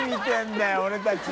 俺たち。